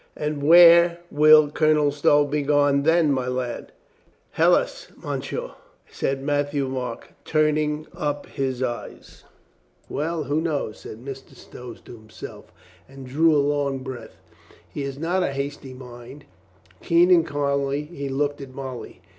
"And where will Colonel Stow be gone then, my lad?" "Helas, monsieur," said Matthieu Marc, turning up his eyes. "Well, who knows?" said Mr. Stow to himself. 422 COLONEL GREATHEART and drew a long breath. He has not a hasty mind. Keen and kindly he looked at Molly.